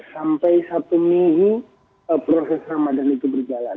sampai satu minggu proses ramadhan itu berjalan